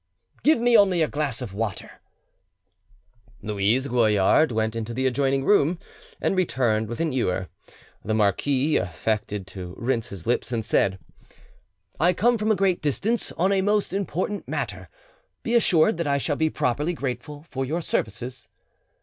"Give me only a glass of water." Louise Goillard went into the adjoining room, and returned with an ewer. The marquis affected to rinse his lips, and said— "I come from a great distance on a most important matter. Be assured that I shall be properly grateful for your services."